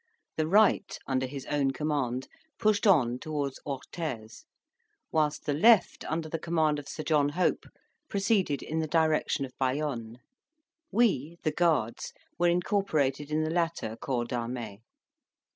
The right, under his own command, pushed on towards Orthes, whilst the left, under the command of Sir John Hope, proceeded in the direction of Bayonne. We (the Guards) were incorporated in the latter corps d'armee.